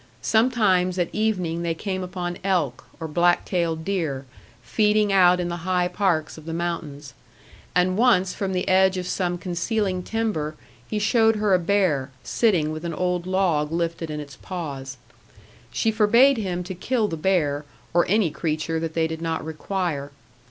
Sometimes at evening they came upon elk, or black tailed deer, feeding out in the high parks of the mountains; and once from the edge of some concealing timber he showed her a bear, sitting with an old log lifted in its paws. She forbade him to kill the bear, or any creature that they did not require.